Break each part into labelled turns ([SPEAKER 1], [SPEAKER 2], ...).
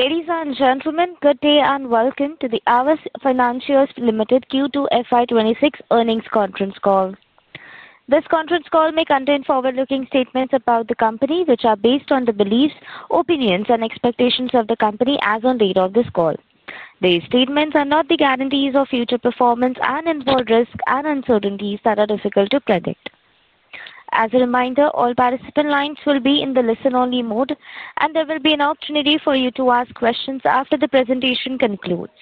[SPEAKER 1] Ladies and gentlemen, good day and welcome to the Aavas Financiers Limited Q2 FY2026 earnings conference call. This conference call may contain forward-looking statements about the company, which are based on the beliefs, opinions, and expectations of the company as of the date of this call. These statements are not the guarantees of future performance and involve risks and uncertainties that are difficult to predict. As a reminder, all participant lines will be in the listen-only mode, and there will be an opportunity for you to ask questions after the presentation concludes.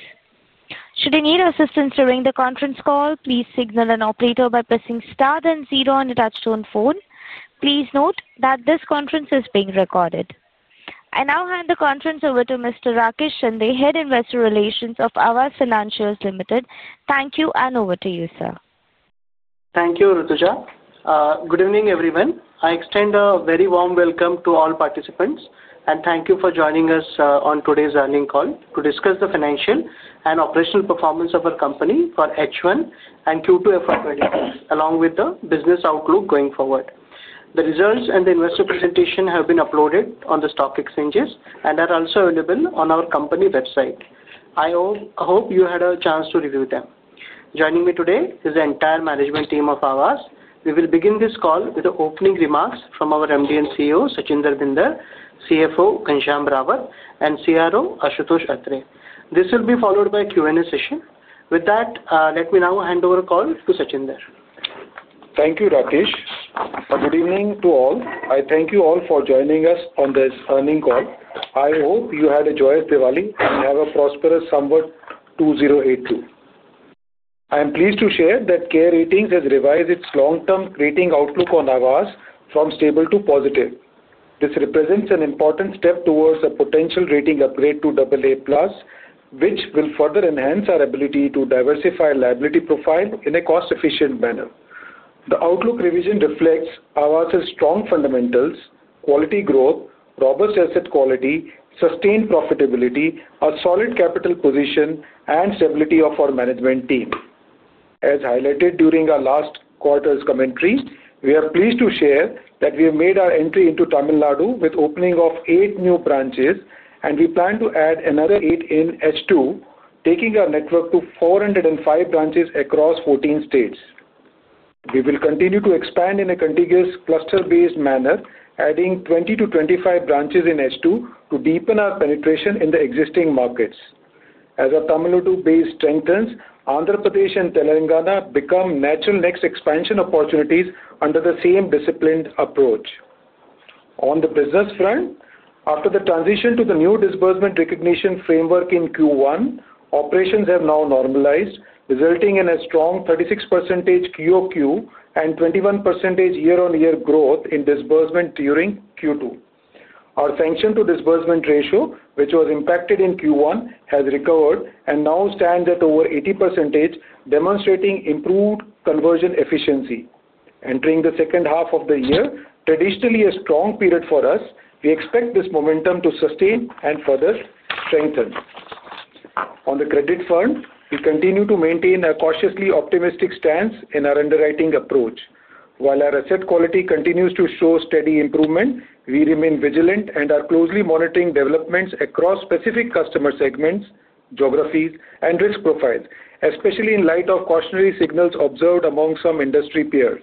[SPEAKER 1] Should you need assistance during the conference call, please signal an operator by pressing star then zero on the touch-tone phone. Please note that this conference is being recorded. I now hand the conference over to Mr. Rakesh Shinde, Head Investor Relations of Aavas Financiers Limited. Thank you, and over to you, sir.
[SPEAKER 2] Thank you, Rutuja. Good evening, everyone. I extend a very warm welcome to all participants, and thank you for joining us on today's earnings call to discuss the financial and operational performance of our company for H1 and Q2 FY2026, along with the business outlook going forward. The results and the investor presentation have been uploaded on the stock exchanges and are also available on our company website. I hope you had a chance to review them. Joining me today is the entire management team of Aavas. We will begin this call with the opening remarks from our MD and CEO, Sachinder Bhinder, CFO, Kanchan Rawat, and CRO, Ashutosh Atre. This will be followed by a Q&A session. With that, let me now hand over the call to Sachinder.
[SPEAKER 3] Thank you, Rakesh. Good evening to all. I thank you all for joining us on this earnings call. I hope you had a joyous Diwali and have a prosperous Samvat 2082. I am pleased to share that CARE Ratings has revised its long-term rating outlook on Aavas from stable to positive. This represents an important step towards a potential rating upgrade to AA+, which will further enhance our ability to diversify liability profile in a cost-efficient manner. The outlook revision reflects Aavas's strong fundamentals, quality growth, robust asset quality, sustained profitability, a solid capital position, and stability of our management team. As highlighted during our last quarter's commentary, we are pleased to share that we have made our entry into Tamil Nadu with the opening of eight new branches, and we plan to add another eight in H2, taking our network to 405 branches across 14 states. We will continue to expand in a contiguous cluster-based manner, adding 20-25 branches in H2 to deepen our penetration in the existing markets. As our Tamil Nadu base strengthens, Andhra Pradesh and Telangana become natural next expansion opportunities under the same disciplined approach. On the business front, after the transition to the new disbursement recognition framework in Q1, operations have now normalized, resulting in a strong 36% Q-o-Q and 21% year-on-year growth in disbursement during Q2. Our sanction-to-disbursement ratio, which was impacted in Q1, has recovered and now stands at over 80%, demonstrating improved conversion efficiency. Entering the second half of the year, traditionally a strong period for us, we expect this momentum to sustain and further strengthen. On the credit front, we continue to maintain a cautiously optimistic stance in our underwriting approach. While our asset quality continues to show steady improvement, we remain vigilant and are closely monitoring developments across specific customer segments, geographies, and risk profiles, especially in light of cautionary signals observed among some industry peers.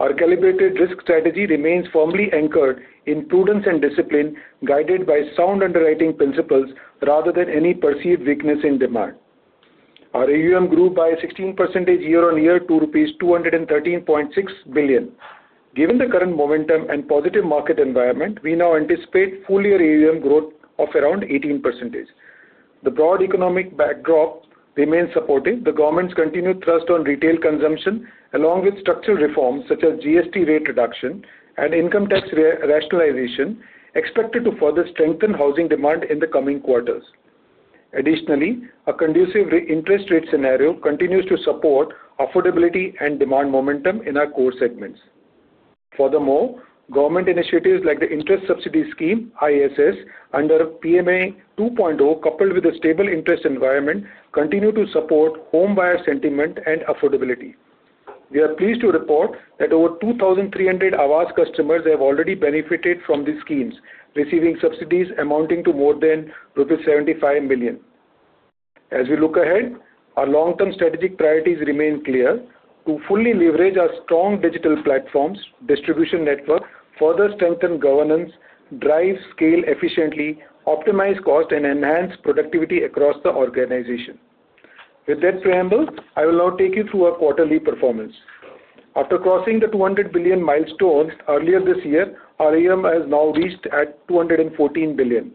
[SPEAKER 3] Our calibrated risk strategy remains firmly anchored in prudence and discipline, guided by sound underwriting principles rather than any perceived weakness in demand. Our AUM grew by 16% year-on-year to rupees 213.6 billion. Given the current momentum and positive market environment, we now anticipate full-year AUM growth of around 18%. The broad economic backdrop remains supportive. The government's continued trust on retail consumption, along with structural reforms such as GST rate reduction and income tax rationalization, is expected to further strengthen housing demand in the coming quarters. Additionally, a conducive interest rate scenario continues to support affordability and demand momentum in our core segments. Furthermore, government initiatives like the Interest Subsidy Scheme (ISS) under PMAY 2.0, coupled with a stable interest environment, continue to support home buyer sentiment and affordability. We are pleased to report that over 2,300 Aavas customers have already benefited from these schemes, receiving subsidies amounting to more than 75 million. As we look ahead, our long-term strategic priorities remain clear: to fully leverage our strong digital platforms, distribution network, further strengthen governance, drive scale efficiently, optimize cost, and enhance productivity across the organization. With that preamble, I will now take you through our quarterly performance. After crossing the 200 billion milestone earlier this year, our AUM has now reached 214 billion.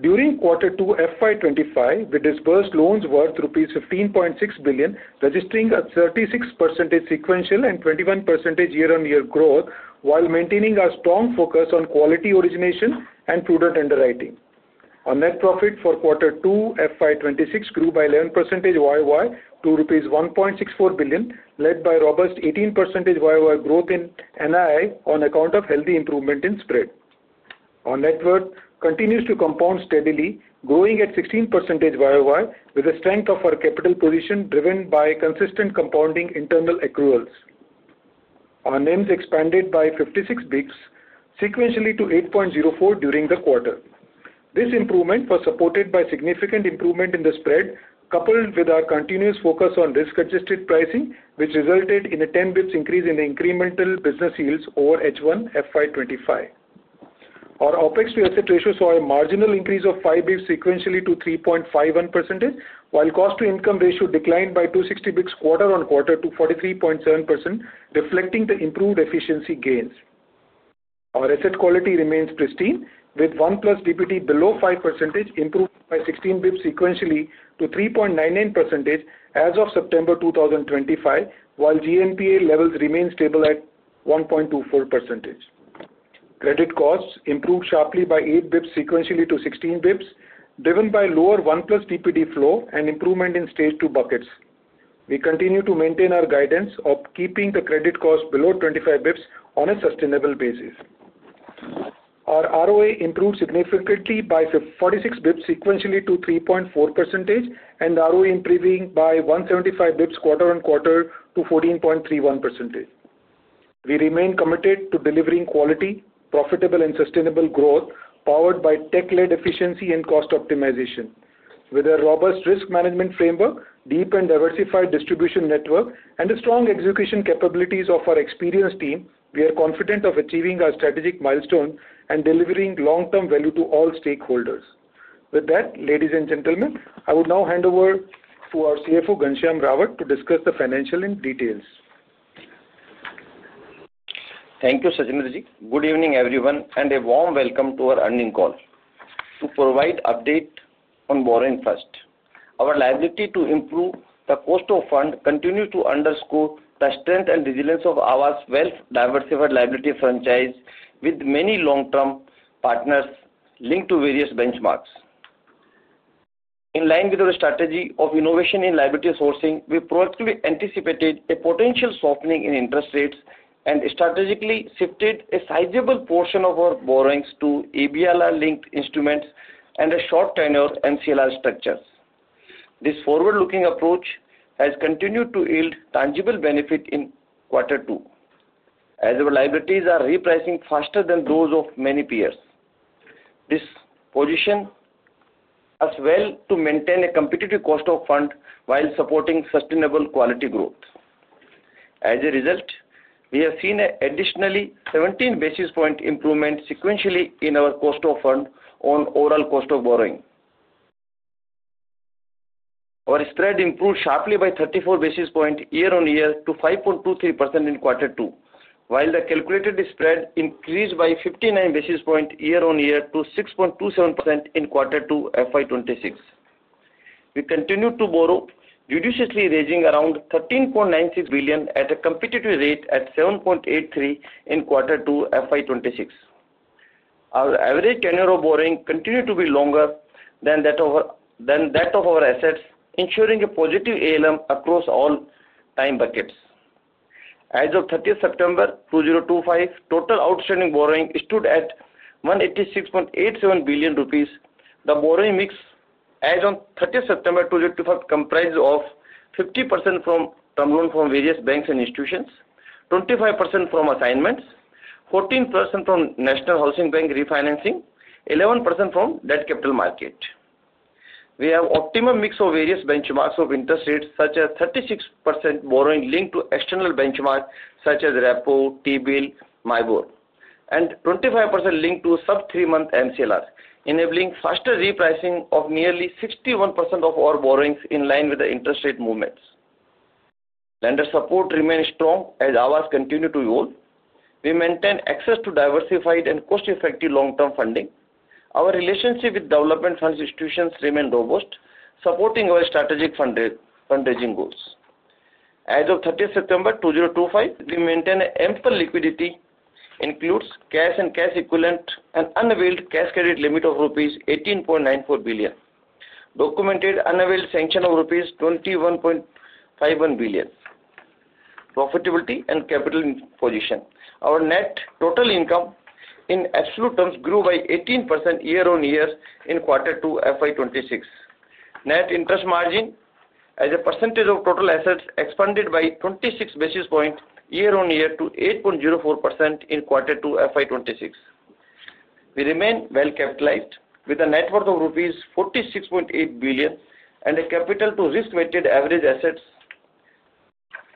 [SPEAKER 3] During Q2 FY2025, we disbursed loans worth rupees 15.6 billion, registering a 36% sequential and 21% year-on-year growth, while maintaining our strong focus on quality origination and prudent underwriting. Our net profit for Q2 FY2026 grew by 11% year-on-year to rupees 1.64 billion, led by robust 18% year-on-year growth in NII on account of healthy improvement in spread. Our net worth continues to compound steadily, growing at 16% year-on-year with the strength of our capital position driven by consistent compounding internal accruals. Our NIMs expanded by 56 basis points, sequentially to 8.04% during the quarter. This improvement was supported by significant improvement in the spread, coupled with our continuous focus on risk-adjusted pricing, which resulted in a 10 basis points increase in the incremental business yields over H1 FY2025. Our OPEX to asset ratio saw a marginal increase of 5 basis points, sequentially to 3.51%, while cost-to-income ratio declined by 260 basis points quarter-on-quarter to 43.7%, reflecting the improved efficiency gains. Our asset quality remains pristine, with 1+ DPD below 5%, improved by 16 basis points sequentially to 3.99% as of September 2025, while GNPA levels remain stable at 1.24%. Credit costs improved sharply by 8 basis points sequentially to 16 basis points, driven by lower 1+ DPD flow and improvement in stage two buckets. We continue to maintain our guidance of keeping the credit cost below 25 basis points on a sustainable basis. Our ROA improved significantly by 46 basis points sequentially to 3.4%, and ROE improving by 175 basis points quarter-on-quarter to 14.31%. We remain committed to delivering quality, profitable, and sustainable growth powered by tech-led efficiency and cost optimization. With a robust risk management framework, deep and diversified distribution network, and the strong execution capabilities of our experienced team, we are confident of achieving our strategic milestones and delivering long-term value to all stakeholders. With that, ladies and gentlemen, I would now hand over to our CFO, Kanchan Rawat, to discuss the financial in detail.
[SPEAKER 4] Thank you, Sachinder. Good evening, everyone, and a warm welcome to our earnings call. To provide an update on borrowing first. Our liability to improve the cost of fund continues to underscore the strength and resilience of Aavas Wealth Diversified Liability Franchise with many long-term partners linked to various benchmarks. In line with our strategy of innovation in liability sourcing, we proactively anticipated a potential softening in interest rates and strategically shifted a sizable portion of our borrowings to ABLR-linked instruments and a short-term NCLR structure. This forward-looking approach has continued to yield tangible benefit in Q2, as our liabilities are repricing faster than those of many peers. This positions us well to maintain a competitive cost of fund while supporting sustainable quality growth. As a result, we have seen an additional 17 basis point improvement sequentially in our cost of fund on overall cost of borrowing. Our spread improved sharply by 34 basis points year-on-year to 5.23% in Q2, while the calculated spread increased by 59 basis points year-on-year to 6.27% in Q2 FY2026. We continued to borrow, judiciously raising around 13.96 billion at a competitive rate at 7.83% in Q2 FY2026. Our average tenure of borrowing continued to be longer than that of our assets, ensuring a positive ALM across all time buckets. As of 30th September 2025, total outstanding borrowing stood at 186.87 billion rupees. The borrowing mix, as of 30 September 2025, comprised of 50% from loans from various banks and institutions, 25% from assignments, 14% from National Housing Bank refinancing, and 11% from debt capital market. We have an optimum mix of various benchmarks of interest rates, such as 36% borrowing linked to external benchmarks such as RAPO, T-Bill, MIBOR, and 25% linked to sub-three-month NCLRs, enabling faster repricing of nearly 61% of our borrowings in line with the interest rate movements. Lender support remains strong as Aavas continues to evolve. We maintain access to diversified and cost-effective long-term funding. Our relationship with development fund institutions remains robust, supporting our strategic fundraising goals. As of 30th September 2025, we maintain ample liquidity, including cash and cash equivalent, an unavailed cash credit limit of rupees 18.94 billion, and a documented unavailed sanction of rupees 21.51 billion. Profitability and capital position: Our net total income in absolute terms grew by 18% year-on-year in Q2 FY2026. Net interest margin, as a percentage of total assets, expanded by 26 basis points year-on-year to 8.04% in Q2 FY2026. We remain well-capitalized, with a net worth of rupees 46.8 billion and a capital-to-risk-weighted average assets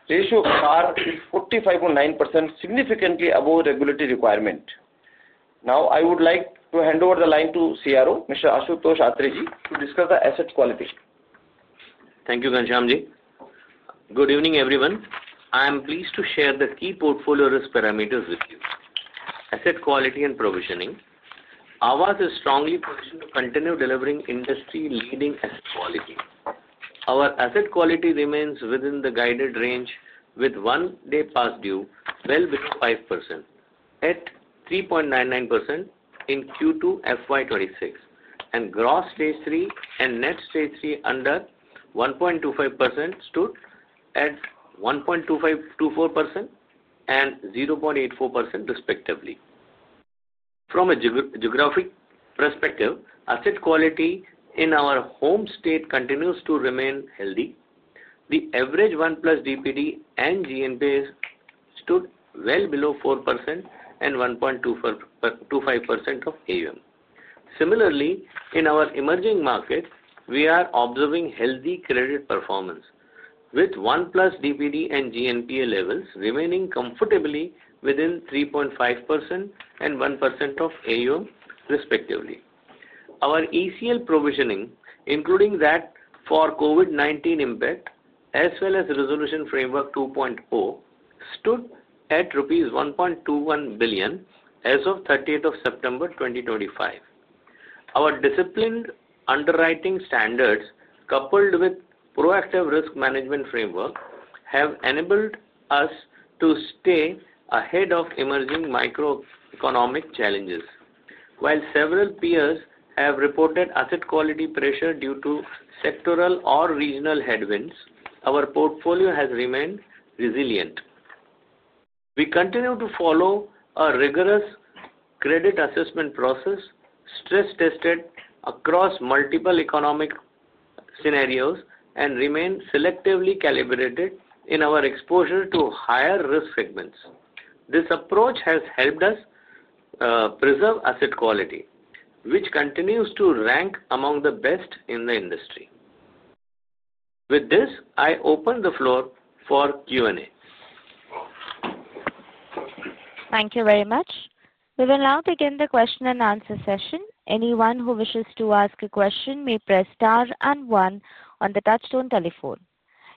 [SPEAKER 4] ratio of INR 45.9%, significantly above regulatory requirement. Now, I would like to hand over the line to CRO, Mr. Ashutosh Atre, to discuss the asset quality.
[SPEAKER 5] Thank you, Kanchan. Good evening, everyone. I am pleased to share the key portfolio risk parameters with you: asset quality and provisioning. Aavas is strongly positioned to continue delivering industry-leading asset quality. Our asset quality remains within the guided range, with one day past due well below 5%, at 3.99% in Q2 FY2026, and gross stage three and net stage three under 1.25% stood at 1.2524% and 0.84%, respectively. From a geographic perspective, asset quality in our home state continues to remain healthy. The average 1+ DPD and GNPA stood well below 4% and 1.25% of AUM. Similarly, in our emerging market, we are observing healthy credit performance, with 1+ DPD and GNPA levels remaining comfortably within 3.5% and 1% of AUM, respectively. Our ECL provisioning, including that for COVID-19 impact as well as resolution framework 2.0, stood at rupees 1.21 billion as of 30th September 2025. Our disciplined underwriting standards, coupled with proactive risk management framework, have enabled us to stay ahead of emerging microeconomic challenges. While several peers have reported asset quality pressure due to sectoral or regional headwinds, our portfolio has remained resilient. We continue to follow a rigorous credit assessment process, stress-tested across multiple economic scenarios, and remain selectively calibrated in our exposure to higher risk segments. This approach has helped us preserve asset quality, which continues to rank among the best in the industry. With this, I open the floor for Q&A.
[SPEAKER 1] Thank you very much. We will now begin the question-and-answer session. Anyone who wishes to ask a question may press star and one on the touchstone telephone.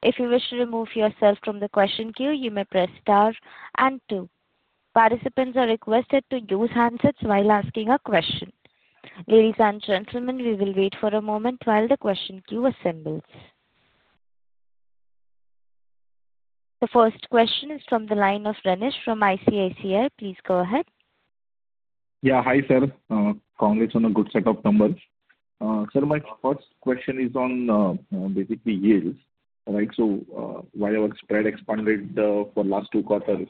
[SPEAKER 1] If you wish to remove yourself from the question queue, you may press star and two. Participants are requested to use handsets while asking a question. Ladies and gentlemen, we will wait for a moment while the question queue assembles. The first question is from the line of Renish from ICICI. Please go ahead. Yeah, hi sir. Congrats on a good set of numbers. Sir, my first question is on basically yields. Right? So while our spread expanded for the last two quarters,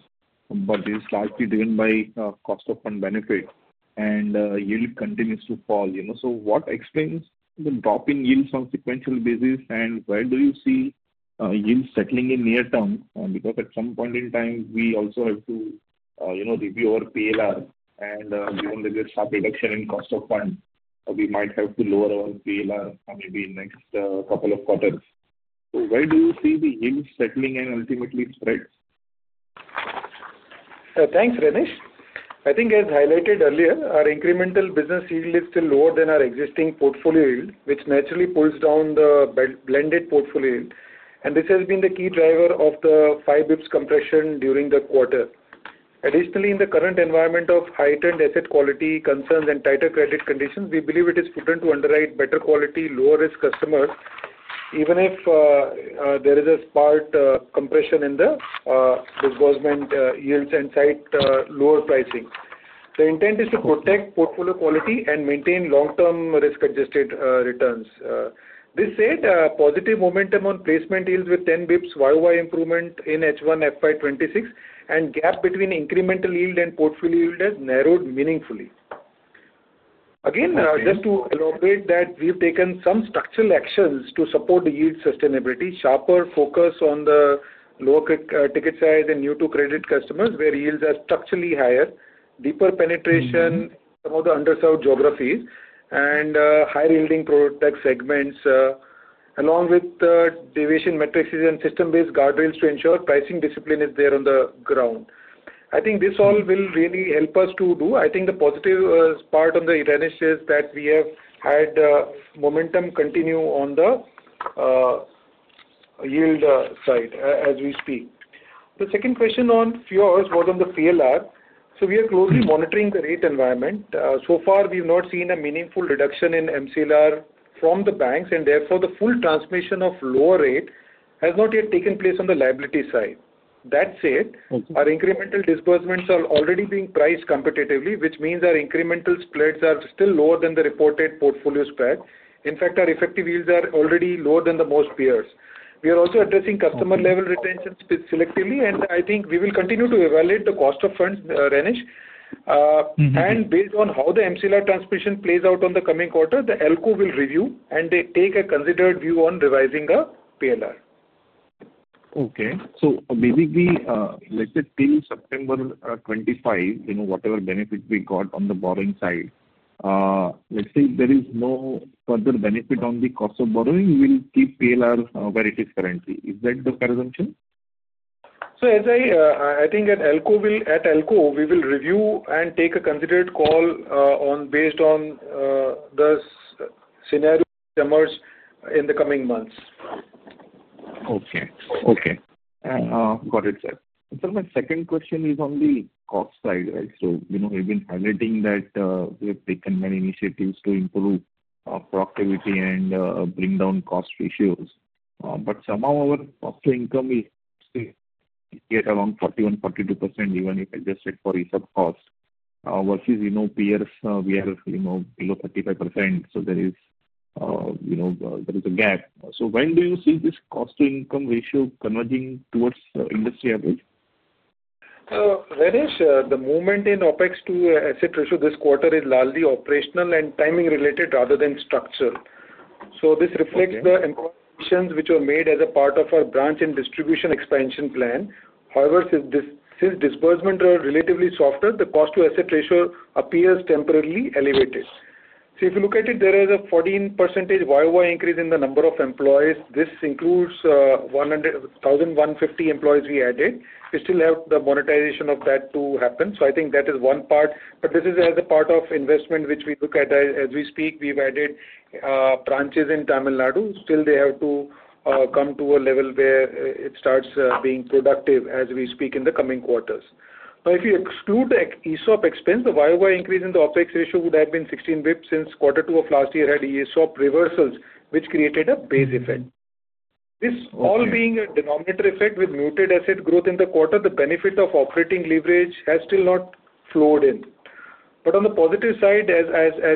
[SPEAKER 1] but it is largely driven by cost of fund benefit, and yield continues to fall. You know, so what explains the drop in yields on a sequential basis? Where do you see yields settling in near term? Because at some point in time, we also have to review our PLR, and given that we have some reduction in cost of fund, we might have to lower our PLR maybe in the next couple of quarters. Where do you see the yields settling and ultimately spread?
[SPEAKER 4] Thanks, Renish. I think, as highlighted earlier, our incremental business yield is still lower than our existing portfolio yield, which naturally pulls down the blended portfolio yield. This has been the key driver of the five basis points compression during the quarter. Additionally, in the current environment of heightened asset quality concerns and tighter credit conditions, we believe it is prudent to underwrite better quality, lower-risk customers, even if there is a spark compression in the disbursement yields and cite lower pricing. The intent is to protect portfolio quality and maintain long-term risk-adjusted returns. This said, positive momentum on placement yields with 10 basis points year-on-year improvement in H1 FY2026, and gap between incremental yield and portfolio yield has narrowed meaningfully. Again, just to elaborate that we've taken some structural actions to support the yield sustainability, sharper focus on the lower ticket size and new-to-credit customers, where yields are structurally higher, deeper penetration in some of the underserved geographies, and high-yielding product segments, along with deviation matrices and system-based guardrails to ensure pricing discipline is there on the ground. I think this all will really help us to do. I think the positive part on the Renish is that we have had momentum continue on the yield side as we speak. The second question on fuels was on the PLR. We are closely monitoring the rate environment. So far, we have not seen a meaningful reduction in MCLR from the banks, and therefore the full transmission of lower rate has not yet taken place on the liability side. That said, our incremental disbursements are already being priced competitively, which means our incremental spreads are still lower than the reported portfolio spread. In fact, our effective yields are already lower than most peers. We are also addressing customer-level retention selectively, and I think we will continue to evaluate the cost of funds, Renish. Based on how the MCLR transmission plays out in the coming quarter, the LCOO will review and take a considered view on revising the PLR. Okay. So basically, let's say till September 2025, whatever benefit we got on the borrowing side, let's say there is no further benefit on the cost of borrowing, we'll keep PLR where it is currently. Is that the presumption? I think at LCOO, we will review and take a considered call based on the scenarios that emerge in the coming months. Okay. Okay. Got it, sir. Sir, my second question is on the cost side, right? So we've been highlighting that we have taken many initiatives to improve productivity and bring down cost ratios. But somehow our cost-to-income is still right around 41%-42%, even if adjusted for reserve cost. Versus peers, we are below 35%, so there is a gap. When do you see this cost-to-income ratio converging towards industry average? Renish, the movement in OPEX to asset ratio this quarter is largely operational and timing-related rather than structural. This reflects the employee decisions which were made as a part of our branch and distribution expansion plan. However, since disbursement was relatively softer, the cost-to-asset ratio appears temporarily elevated. If you look at it, there is a 14% year-on-year increase in the number of employees. This includes 1,150 employees we added. We still have the monetization of that to happen. I think that is one part. This is as a part of investment which we look at as we speak. We have added branches in Tamil Nadu. Still, they have to come to a level where it starts being productive as we speak in the coming quarters. Now, if you exclude the ESOP expense, the year-on-year increase in the OPEX ratio would have been 16 basis points since Q2 of last year had ESOP reversals, which created a base effect. This all being a denominator effect with muted asset growth in the quarter, the benefit of operating leverage has still not flowed in. On the positive side, as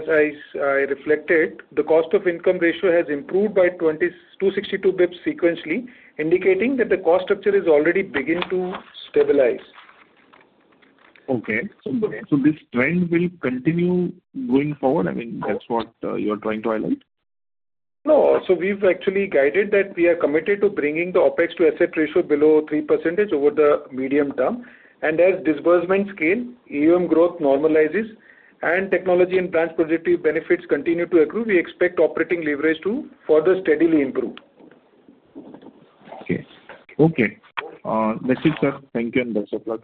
[SPEAKER 4] I reflected, the cost-to-income ratio has improved by 262 basis points sequentially, indicating that the cost structure is already beginning to stabilize. Okay. So this trend will continue going forward? I mean, that's what you are trying to highlight? No. We have actually guided that we are committed to bringing the OPEX to asset ratio below 3% over the medium term. As disbursement scale, AUM growth normalizes, and technology and branch productive benefits continue to accrue, we expect operating leverage to further steadily improve. Okay. Okay. That's it, sir. Thank you and best of luck.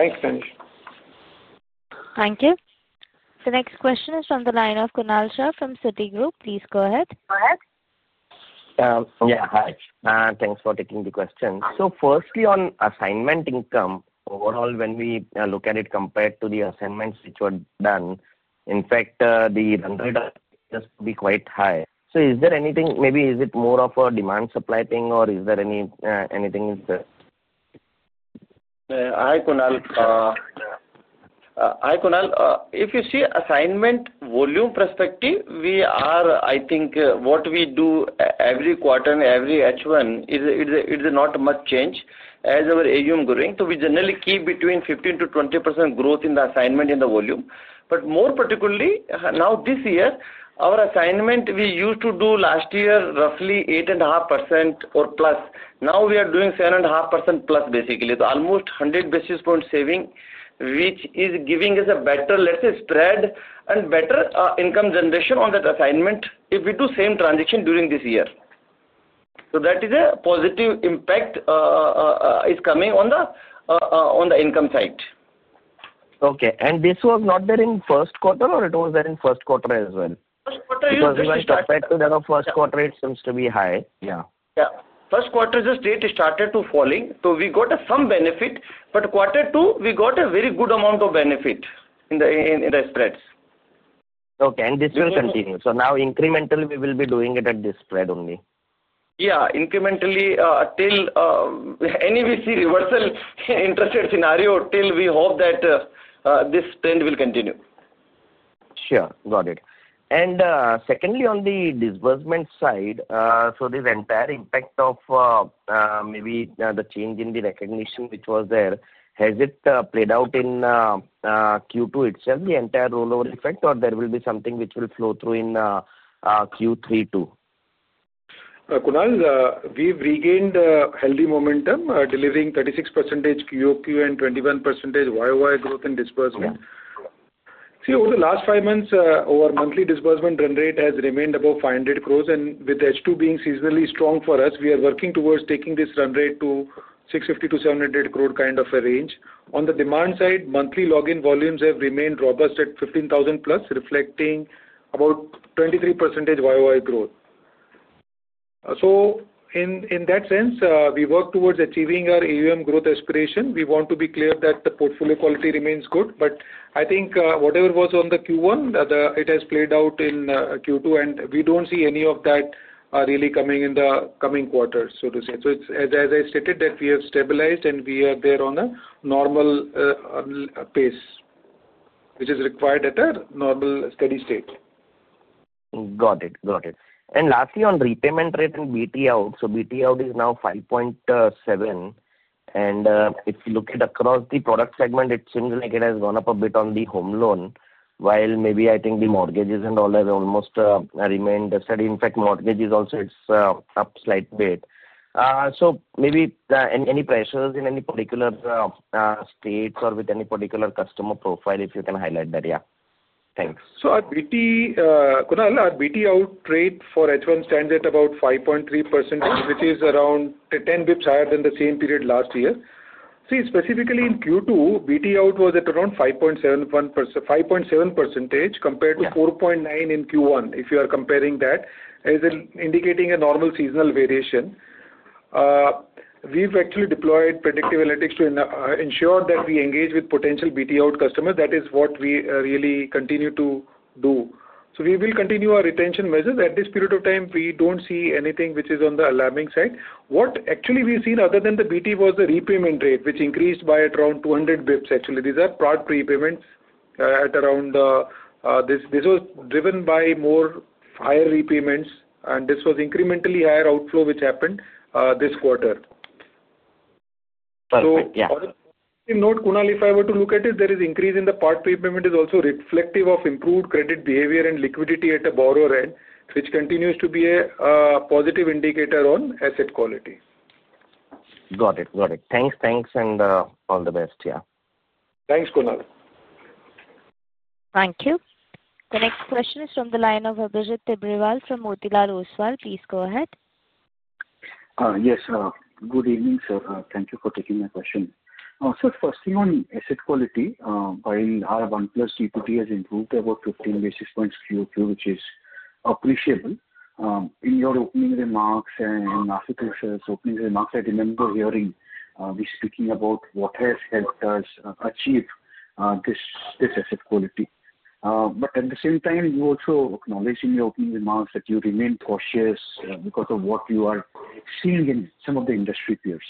[SPEAKER 4] Thanks, Renish.
[SPEAKER 1] Thank you. The next question is from the line of Kunal Shah from Citigroup. Please go ahead.
[SPEAKER 6] Yeah. Hi. Thanks for taking the question. Firstly, on assignment income, overall, when we look at it compared to the assignments which were done, in fact, the run rate used to be quite high. Is there anything, maybe is it more of a demand-supply thing, or is there anything in the?
[SPEAKER 4] Hi, Kunal. If you see assignment volume perspective, we are, I think, what we do every quarter, every H1, it is not much change as our AUM growing. We generally keep between 15-20% growth in the assignment in the volume. More particularly, now this year, our assignment we used to do last year roughly 8.5% or plus. Now we are doing 7.5% plus, basically. Almost 100 basis points saving, which is giving us a better, let's say, spread and better income generation on that assignment if we do same transition during this year. That is a positive impact is coming on the income side.
[SPEAKER 6] Okay. This was not there in first quarter, or it was there in first quarter as well?
[SPEAKER 4] First quarter is right.
[SPEAKER 6] Compared to the first quarter, it seems to be high.
[SPEAKER 4] Yeah. First quarter's rate started to falling. So we got some benefit. But quarter two, we got a very good amount of benefit in the spreads.
[SPEAKER 7] Okay. This will continue. Now incrementally, we will be doing it at this spread only?
[SPEAKER 4] Yeah. Incrementally till any, we see reversal, interested scenario till we hope that this trend will continue.
[SPEAKER 6] Sure. Got it. Secondly, on the disbursement side, the entire impact of maybe the change in the recognition which was there, has it played out in Q2 itself, the entire rollover effect, or will there be something which will flow through in Q3 too?
[SPEAKER 4] Kunal, we've regained healthy momentum, delivering 36% Q-o-Q and 21% Y-o-Y growth in disbursement. Over the last five months, our monthly disbursement run rate has remained above 500 crore. With H2 being seasonally strong for us, we are working towards taking this run rate to the 650 crore-700 crore kind of range. On the demand side, monthly login volumes have remained robust at 15,000+, reflecting about 23% Y-o-Y growth. In that sense, we work towards achieving our AUM growth aspiration. We want to be clear that the portfolio quality remains good. I think whatever was on the Q1, it has played out in Q2, and we do not see any of that really coming in the coming quarter, so to say. As I stated, we have stabilized and we are there on a normal pace, which is required at a normal steady state.
[SPEAKER 6] Got it. Got it. Lastly, on repayment rate and BT out. BT out is now 5.7%. If you look at across the product segment, it seems like it has gone up a bit on the home loan, while maybe I think the mortgages and all have almost remained steady. In fact, mortgages also, it is up a slight bit. Maybe any pressures in any particular states or with any particular customer profile, if you can highlight that. Yeah. Thanks.
[SPEAKER 4] Kunal, our BT out rate for H1 stands at about 5.3%, which is around 10 basis points higher than the same period last year. Specifically in Q2, BT out was at around 5.7% compared to 4.9% in Q1. If you are comparing that, it is indicating a normal seasonal variation. We have actually deployed predictive analytics to ensure that we engage with potential BT out customers. That is what we really continue to do. We will continue our retention measures. At this period of time, we do not see anything which is on the alarming side. What we have seen, other than the BT, was the repayment rate, which increased by around 200 basis points, actually. These are part repayments at around this was driven by more higher repayments, and this was incrementally higher outflow which happened this quarter.
[SPEAKER 6] Perfect. Yeah.
[SPEAKER 4] Note, Kunal, if I were to look at it, there is increase in the part repayment is also reflective of improved credit behavior and liquidity at a borrower end, which continues to be a positive indicator on asset quality.
[SPEAKER 6] Got it. Thanks. All the best.
[SPEAKER 4] Thanks, Kunal.
[SPEAKER 1] Thank you. The next question is from the line of Abhijit Tibrewal from Motilal Oswal. Please go ahead.
[SPEAKER 8] Yes. Good evening, sir. Thank you for taking my question. Firstly, on asset quality, while our 1+ DPD has improved by about 15 basis points in Q2, which is appreciable. In your opening remarks and Sachinder's opening remarks, I remember hearing you speaking about what has helped us achieve this asset quality. At the same time, you also acknowledged in your opening remarks that you remain cautious because of what you are seeing in some of the industry peers.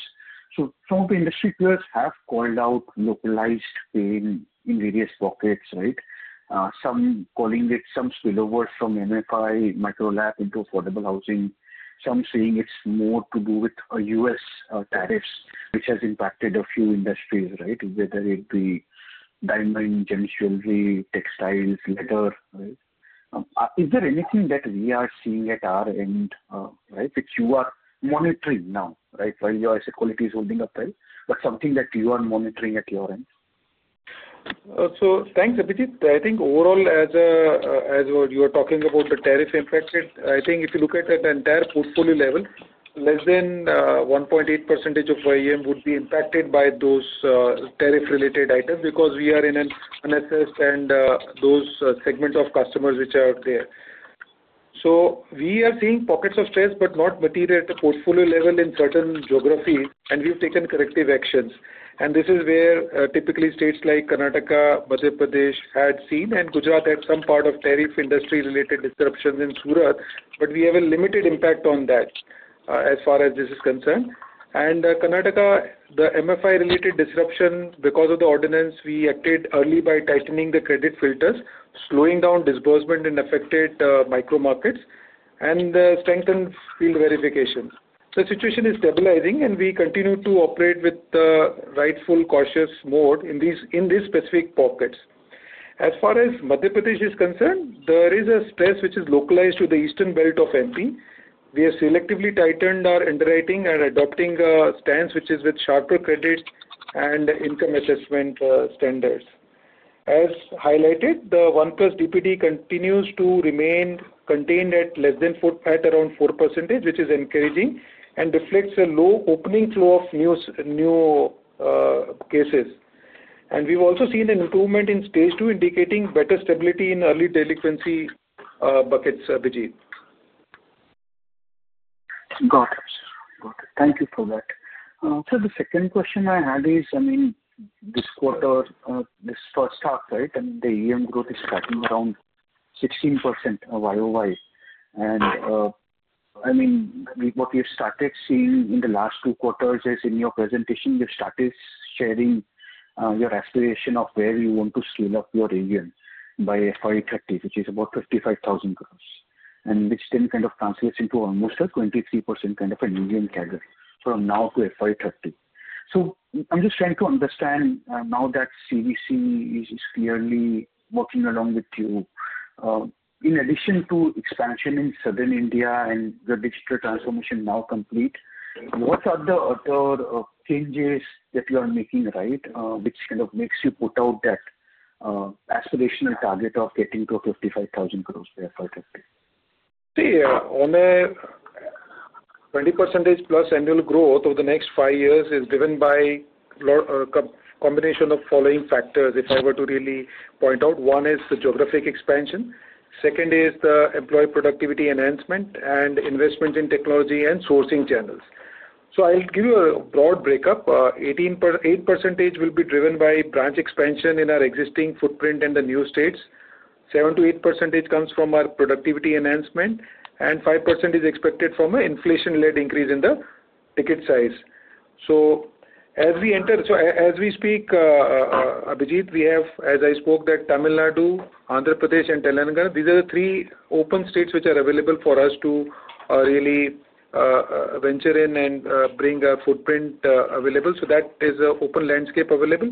[SPEAKER 8] Some of the industry peers have called out localized pain in various pockets, right? Some calling it some spillover from MFI, MicroLab into affordable housing. Some saying it is more to do with U.S. tariffs, which has impacted a few industries, right? Whether it be diamond, gems, jewelry, textiles, leather, right? Is there anything that we are seeing at our end, right, which you are monitoring now, right, while your asset quality is holding up well? Something that you are monitoring at your end?
[SPEAKER 4] Thanks, Abhijit. I think overall, as you were talking about the tariff impacted, I think if you look at the entire portfolio level, less than 1.8% of AUM would be impacted by those tariff-related items because we are in an unassessed and those segments of customers which are there. We are seeing pockets of stress, but not material at the portfolio level in certain geographies, and we have taken corrective actions. This is where typically states like Karnataka, Madhya Pradesh had seen, and Gujarat had some part of tariff industry-related disruptions in Surat. We have a limited impact on that as far as this is concerned. In Karnataka, the MFI-related disruption, because of the ordinance, we acted early by tightening the credit filters, slowing down disbursement in affected micro markets, and strengthened field verification. The situation is stabilizing, and we continue to operate with the rightful cautious mode in these specific pockets. As far as Madhya Pradesh is concerned, there is a stress which is localized to the eastern belt of MP. We have selectively tightened our underwriting and adopting a stance which is with sharper credits and income assessment standards. As highlighted, the 1+ DPD continues to remain contained at less than at around 4%, which is encouraging and reflects a low opening flow of new cases. We have also seen an improvement in stage two, indicating better stability in early delinquency buckets, Abhijit.
[SPEAKER 8] Got it. Got it. Thank you for that. Sir, the second question I had is, I mean, this quarter, this first half, right, I mean, the AUM growth is starting around 16% year-on-year. And I mean, what we've started seeing in the last two quarters is in your presentation, you started sharing your aspiration of where you want to scale up your AUM by FY2030, which is about 55,000 crore. And this then kind of translates into almost a 23% kind of an AUM target from now to FY2030. So I'm just trying to understand now that CVC is clearly working along with you. In addition to expansion in Southern India and the digital transformation now complete, what are the other changes that you are making, right, which kind of makes you put out that aspirational target of getting to 55,000 crore by FY2030?
[SPEAKER 4] See, on a 20%+ annual growth over the next five years is driven by a combination of following factors. If I were to really point out, one is the geographic expansion. Second is the employee productivity enhancement and investment in technology and sourcing channels. I'll give you a broad breakup. 8% will be driven by branch expansion in our existing footprint and the new states. 7%-8% comes from our productivity enhancement, and 5% is expected from an inflation-led increase in the ticket size. As we enter, as we speak, Abhijit, we have, as I spoke, that Tamil Nadu, Andhra Pradesh, and Telangana, these are the three open states which are available for us to really venture in and bring our footprint available. That is the open landscape available.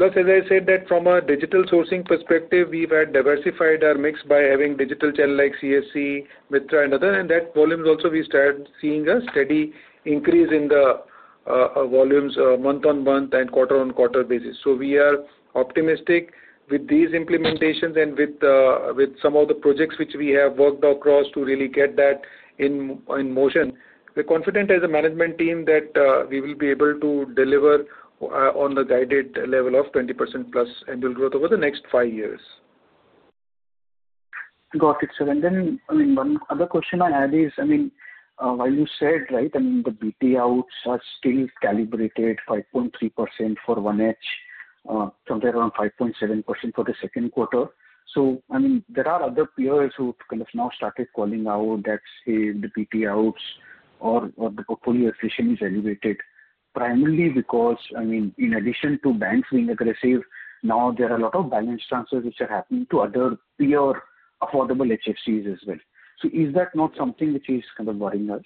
[SPEAKER 4] Plus, as I said, that from a digital sourcing perspective, we have diversified our mix by having digital channel like CSC, Mitra, and others. That volume also we started seeing a steady increase in the volumes month-on-month and quarter-on-quarter basis. We are optimistic with these implementations and with some of the projects which we have worked across to really get that in motion. We are confident as a management team that we will be able to deliver on the guided level of 20%+ annual growth over the next five years.
[SPEAKER 8] Got it, sir. I mean, one other question I had is, I mean, while you said, right, the BT outs are still calibrated 5.3% for 1H, somewhere around 5.7% for the second quarter. I mean, there are other peers who've kind of now started calling out that, hey, the BT outs or the portfolio efficient is elevated, primarily because, in addition to banks being aggressive, now there are a lot of balance transfers which are happening to other peer affordable HFCs as well. Is that not something which is kind of worrying us?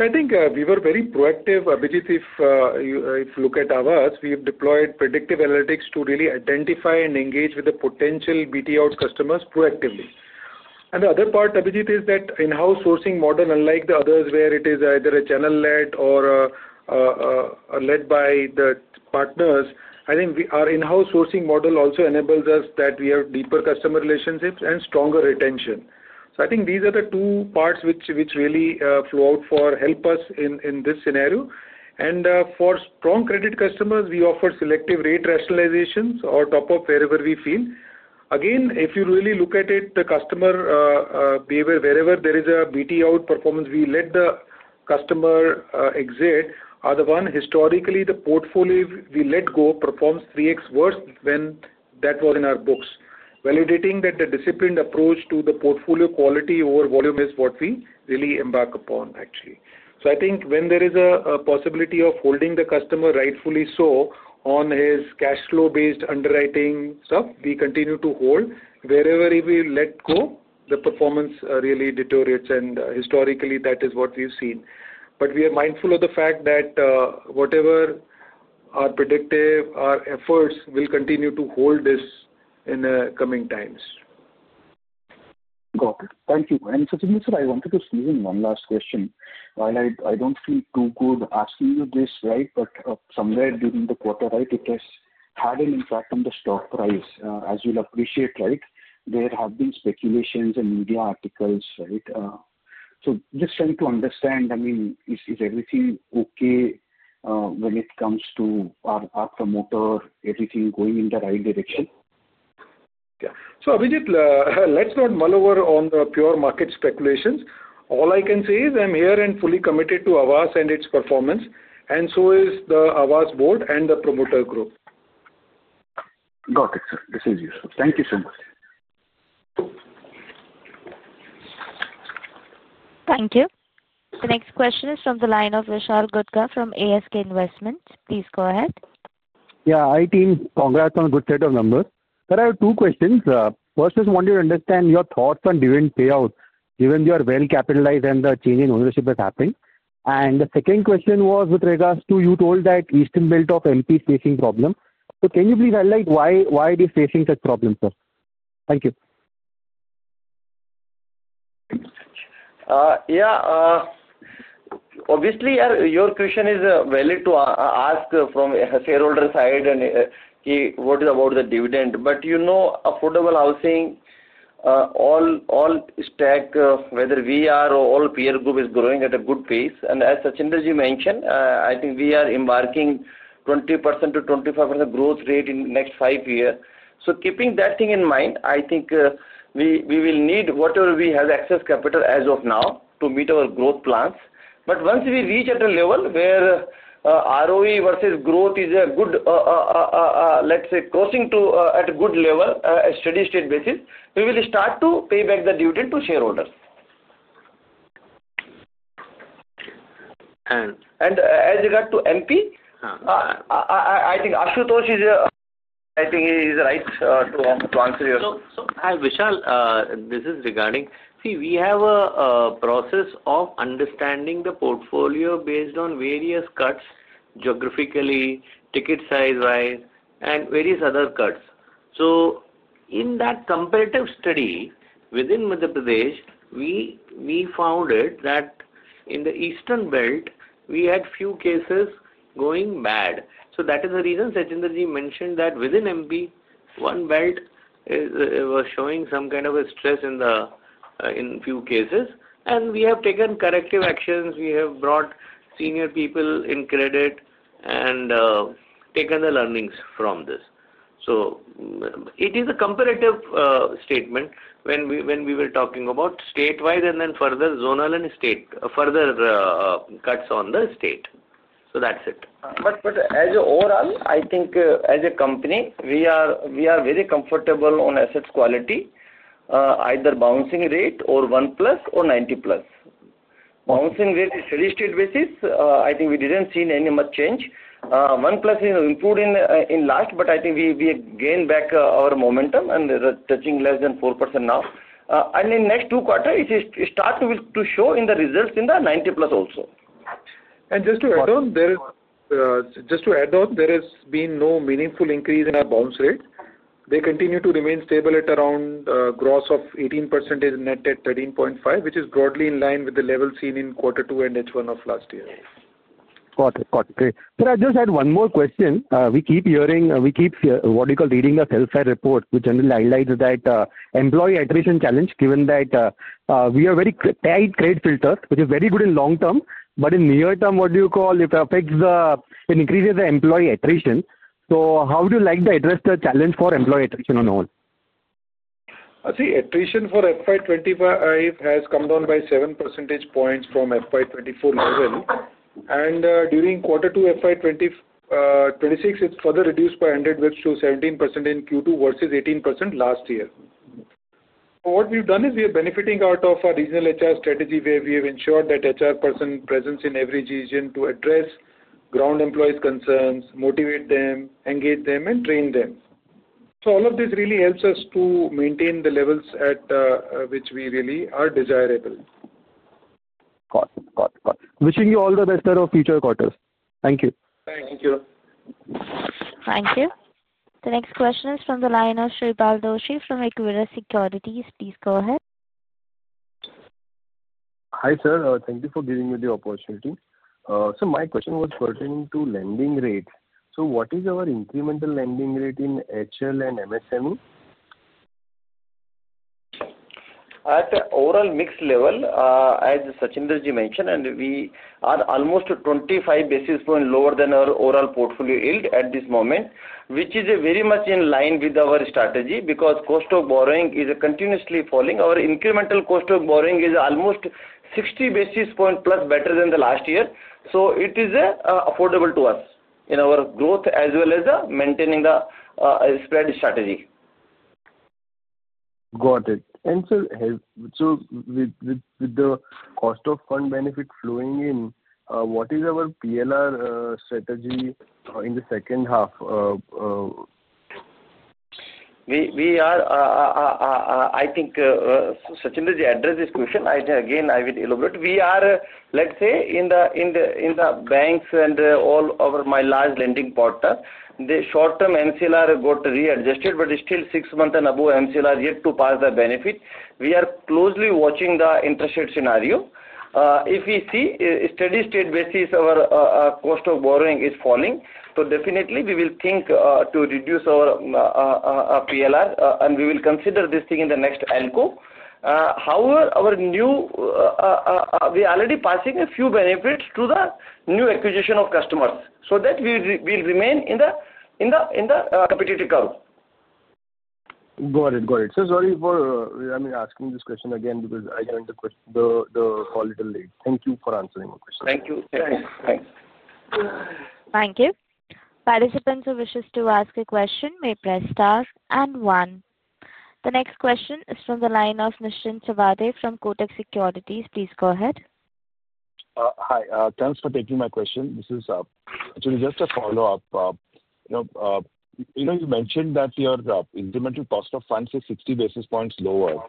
[SPEAKER 4] I think we were very proactive. Abhijit, if you look at ours, we have deployed predictive analytics to really identify and engage with the potential BT out customers proactively. The other part, Abhijit, is that in-house sourcing model, unlike the others where it is either a channel-led or led by the partners, I think our in-house sourcing model also enables us that we have deeper customer relationships and stronger retention. I think these are the two parts which really flew out for help us in this scenario. For strong credit customers, we offer selective rate rationalizations or top-up wherever we feel. Again, if you really look at it, the customer behavior, wherever there is a BT out performance, we let the customer exit. Other one, historically, the portfolio we let go performs 3x worse than that was in our books. Validating that the disciplined approach to the portfolio quality over volume is what we really embark upon, actually. I think when there is a possibility of holding the customer rightfully so on his cash flow-based underwriting stuff, we continue to hold. Wherever we let go, the performance really deteriorates. Historically, that is what we've seen. We are mindful of the fact that whatever our predictive, our efforts will continue to hold this in coming times.
[SPEAKER 8] Got it. Thank you. I wanted to sneak in one last question. While I do not feel too good asking you this, right, but somewhere during the quarter, right, it has had an impact on the stock price. As you will appreciate, right, there have been speculations and media articles, right? Just trying to understand, I mean, is everything okay when it comes to our promoter, everything going in the right direction?
[SPEAKER 4] Yeah. So Abhijit, let's not mull over on the pure market speculations. All I can say is I'm here and fully committed to Aavas and its performance. And so is the Aavas board and the promoter group.
[SPEAKER 8] Got it, sir. This is useful. Thank you so much.
[SPEAKER 1] Thank you. The next question is from the line of Vishal Ghelani from ASK Investments. Please go ahead.
[SPEAKER 9] Yeah. Hi team. Congrats on a good set of numbers. Sir, I have two questions. First is, I want you to understand your thoughts on dividend payout, given you are well capitalized and the change in ownership is happening. The second question was with regards to you told that eastern belt of Madhya Pradesh is facing problems. Can you please highlight why they are facing such problems, sir? Thank you.
[SPEAKER 4] Yeah. Obviously, your question is valid to ask from a shareholder side, and what is about the dividend. You know, affordable housing, all stack, whether we are or all peer group, is growing at a good pace. As Sachinder mentioned, I think we are embarking 20%-25% growth rate in the next five years. Keeping that thing in mind, I think we will need whatever we have excess capital as of now to meet our growth plans. Once we reach at a level where ROE versus growth is a good, let's say, crossing to at a good level, a steady state basis, we will start to pay back the dividend to shareholders. As regard to MP, I think Ashutosh is, I think he's right to answer your question.
[SPEAKER 5] Vishal, this is regarding, see, we have a process of understanding the portfolio based on various cuts, geographically, ticket size-wise, and various other cuts. In that comparative study within Madhya Pradesh, we found that in the eastern belt, we had few cases going bad. That is the reason Sachinder mentioned that within Madhya Pradesh, one belt was showing some kind of a stress in a few cases. We have taken corrective actions. We have brought senior people in credit and taken the learnings from this. It is a comparative statement when we were talking about statewide and then further zonal and further cuts on the state. That's it. Overall, I think as a company, we are very comfortable on assets quality, either bouncing rate or 1+ or 90+. Bouncing rate is steady state basis. I think we did not see any much change. 1+ is improved in last, but I think we gained back our momentum and touching less than 4% now. In next two quarters, it starts to show in the results in the 90+ also.
[SPEAKER 4] Just to add on, there has been no meaningful increase in our bounce rate. They continue to remain stable at around a gross of 18% net at 13.5%, which is broadly in line with the level seen in quarter two and H1 of last year.
[SPEAKER 9] Got it. Got it. Sir, I just had one more question. We keep hearing, we keep, what do you call, reading the self-fair report, which generally highlights that employee attrition challenge, given that we are very tight credit filters, which is very good in long term, but in near term, what do you call, if it affects the it increases the employee attrition. How would you like to address the challenge for employee attrition on all?
[SPEAKER 4] See, attrition for FY2025 has come down by 7 percentage points from FY2024 level. During quarter two FY2026, it has further reduced by 100 basis points to 17% in Q2 versus 18% last year. What we have done is we are benefiting out of our regional HR strategy where we have ensured that HR person presence in every region to address ground employees' concerns, motivate them, engage them, and train them. All of this really helps us to maintain the levels at which we really are desirable.
[SPEAKER 9] Got it. Wishing you all the best of future quarters. Thank you.
[SPEAKER 4] Thank you.
[SPEAKER 1] Thank you. The next question is from the line of Shreepal Doshi from Equirus Securities. Please go ahead.
[SPEAKER 10] Hi sir. Thank you for giving me the opportunity. My question was pertaining to lending rate. What is our incremental lending rate in HL and MSME?
[SPEAKER 4] At the overall mix level, as Sachinder mentioned, and we are almost 25 basis points lower than our overall portfolio yield at this moment, which is very much in line with our strategy because cost of borrowing is continuously falling. Our incremental cost of borrowing is almost 60 basis points plus better than the last year. So it is affordable to us in our growth as well as maintaining the spread strategy.
[SPEAKER 10] Got it. And sir, so with the cost of fund benefit flowing in, what is our PLR strategy in the second half?
[SPEAKER 4] We are, I think Sachinder addressed this question. Again, I will elaborate. We are, let's say, in the banks and all over my large lending quarter, the short-term MCLR got readjusted, but it's still six months and above MCLR yet to pass the benefit. We are closely watching the interest rate scenario. If we see steady state basis, our cost of borrowing is falling. So definitely, we will think to reduce our PLR, and we will consider this thing in the next ALCO. However, our new we are already passing a few benefits to the new acquisition of customers. So that we will remain in the competitive curve.
[SPEAKER 10] Got it. Got it. Sorry for, I mean, asking this question again because I joined the call a little late. Thank you for answering my question.
[SPEAKER 4] Thank you. Thanks.
[SPEAKER 1] Thank you. Participants who wish to ask a question may press star and one. The next question is from the line of Nischint Chawathe from Kotak Securities. Please go ahead.
[SPEAKER 11] Hi. Thanks for taking my question. This is actually just a follow-up. You mentioned that your incremental cost of funds is 60 basis points lower,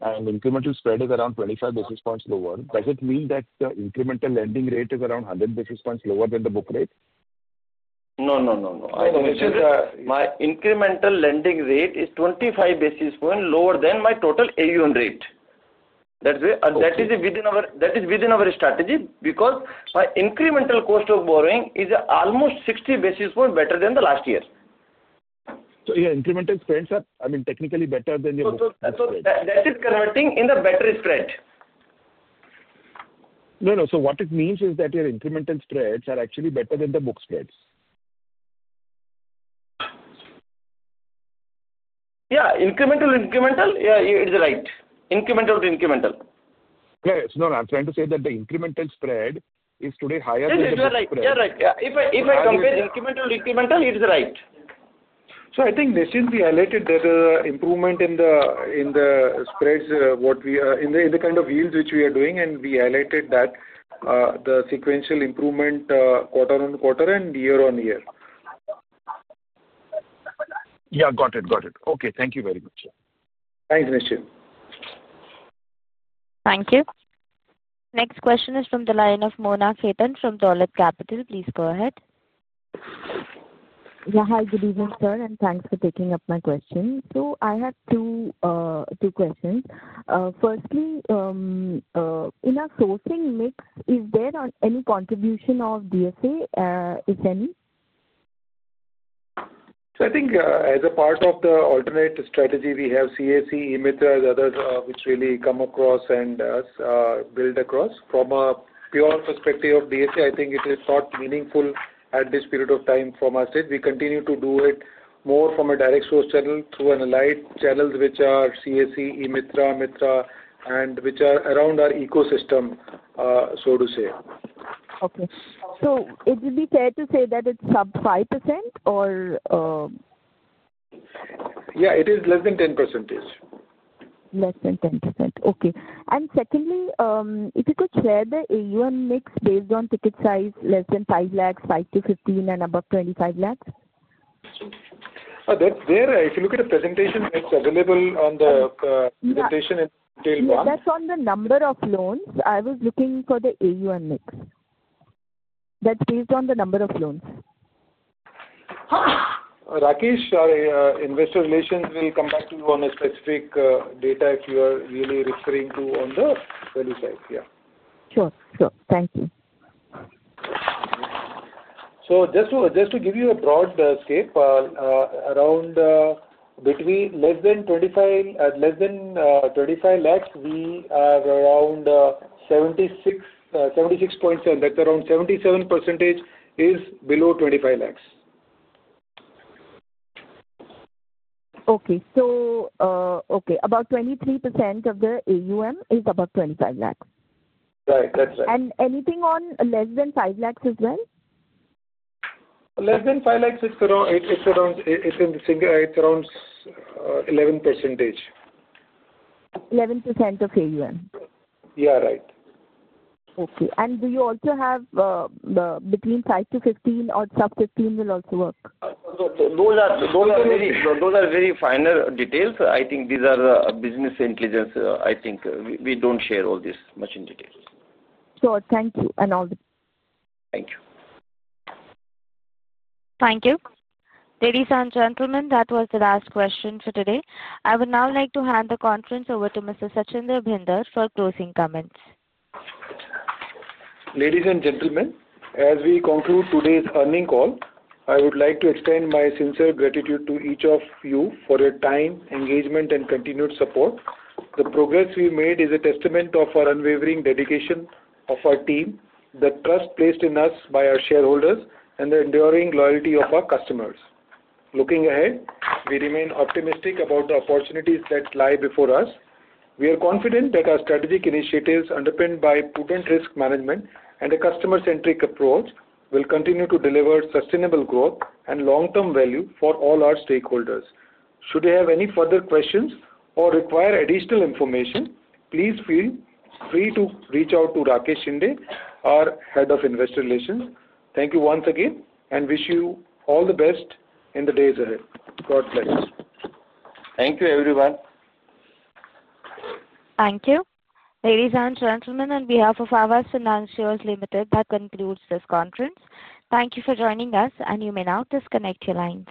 [SPEAKER 11] and incremental spread is around 25 basis points lower. Does it mean that the incremental lending rate is around 100 basis points lower than the book rate?
[SPEAKER 4] No, no, no. My incremental lending rate is 25 basis points lower than my total AUM rate. That is within our strategy because my incremental cost of borrowing is almost 60 basis points better than the last year.
[SPEAKER 11] Your incremental spreads are, I mean, technically better than your book spreads.
[SPEAKER 4] That is converting in the better spread.
[SPEAKER 11] No, no. So what it means is that your incremental spreads are actually better than the book spreads.
[SPEAKER 4] Yeah. Incremental, it's right. Incremental.
[SPEAKER 11] Yes. No, no. I'm trying to say that the incremental spread is today higher than the book spread. It's right. You're right. Yeah. If I compare incremental, it's right.
[SPEAKER 4] I think Nischint's highlighted that the improvement in the spreads, what we in the kind of yields which we are doing, and we highlighted that the sequential improvement quarter-on-quarter and year-on-year.
[SPEAKER 11] Yeah. Got it. Got it. Okay. Thank you very much.
[SPEAKER 4] Thanks, Nischint.
[SPEAKER 1] Thank you. Next question is from the line of Mona Khetan from Dalal Capital. Please go ahead.
[SPEAKER 7] Yeah. Hi. Good evening, sir. Thanks for taking up my question. I have two questions. Firstly, in our sourcing mix, is there any contribution of DSA, if any?
[SPEAKER 4] I think as a part of the alternate strategy, we have CAC, EMITRA, the others which really come across and build across. From a pure perspective of DSA, I think it is not meaningful at this period of time from our state. We continue to do it more from a direct source channel through an allied channel which are CAC, EMITRA, MITRA, and which are around our ecosystem, so to say.
[SPEAKER 7] Okay. So it would be fair to say that it's sub 5%?
[SPEAKER 4] Yeah. It is less than 10%.
[SPEAKER 7] Less than 10%. Okay. Secondly, if you could share the AUM mix based on ticket size less than 0.5 billion, 0.5 billion-INR1.5 billion, and above 2.5 billion?
[SPEAKER 4] That's there. If you look at the presentation, it's available on the presentation in detail one.
[SPEAKER 7] That's on the number of loans. I was looking for the AUM mix. That's based on the number of loans.
[SPEAKER 4] Rakesh, our investor relations will come back to you on the specific data if you are really referring to on the value side. Yeah.
[SPEAKER 7] Sure. Sure. Thank you.
[SPEAKER 2] Just to give you a broad scope, around less than 25 lakh, we have around 76.7%. That's around 77% is below INR 25 lakh.
[SPEAKER 7] Okay. So okay. About 23% of the AUM is above 25 lakh.
[SPEAKER 2] Right. That's right.
[SPEAKER 7] Anything on less than 5 lakh as well?
[SPEAKER 2] Less than 5 lakh, it's around 11%.
[SPEAKER 7] 11% of AUM.
[SPEAKER 2] Yeah. Right.
[SPEAKER 7] Okay. Do you also have between 5-15 or sub-15 will also work?
[SPEAKER 2] Those are very finer details. I think these are business intelligence. I think we don't share all this much in detail.
[SPEAKER 7] Sure. Thank you. And all the.
[SPEAKER 4] Thank you.
[SPEAKER 1] Thank you. Ladies and gentlemen, that was the last question for today. I would now like to hand the conference over to Mr. Sachinder Bhinder for closing comments.
[SPEAKER 3] Ladies and gentlemen, as we conclude today's earning call, I would like to extend my sincere gratitude to each of you for your time, engagement, and continued support. The progress we've made is a testament to our unwavering dedication of our team, the trust placed in us by our shareholders, and the enduring loyalty of our customers. Looking ahead, we remain optimistic about the opportunities that lie before us. We are confident that our strategic initiatives underpinned by prudent risk management and a customer-centric approach will continue to deliver sustainable growth and long-term value for all our stakeholders. Should you have any further questions or require additional information, please feel free to reach out to Rakesh Shinde, our Head of Investor Relations. Thank you once again and wish you all the best in the days ahead. God bless.
[SPEAKER 4] Thank you, everyone.
[SPEAKER 1] Thank you. Ladies and gentlemen, on behalf of Aavas Financiers Limited, that concludes this conference. Thank you for joining us, and you may now disconnect your lines.